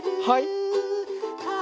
はい。